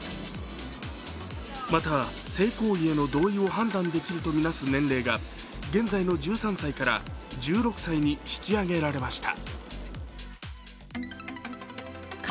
また、性行為への同意を判断できると見なす年齢が現在の１３歳から１６歳に引き上げられました。